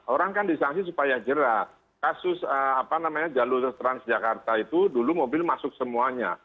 orang kan disangsi supaya jerak kasus apa namanya jalur transjakarta itu dulu mobil masuk semuanya